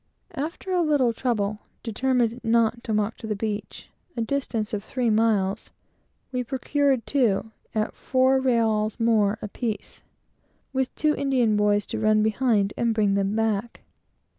After a little trouble, determined not to walk down, a distance of three miles we procured two, at four reals apiece, with an Indian boy to run on behind and bring them back.